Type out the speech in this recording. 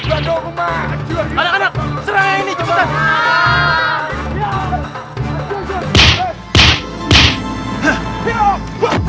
jencuk lah dong emang